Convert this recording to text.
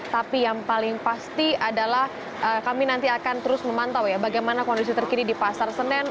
tapi yang paling pasti adalah kami nanti akan terus memantau ya bagaimana kondisi terkini di pasar senen